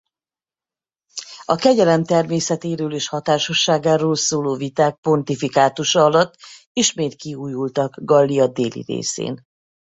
A kegyelem természetéről és hatásosságáról szóló viták pontifikátusa alatt ismét kiújultak Gallia déli részén.